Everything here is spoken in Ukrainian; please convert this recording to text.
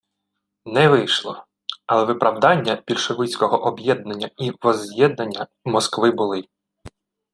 Не вийшло! Але виправдання більшовицького «об'єднання й возз'єднання» у Москви були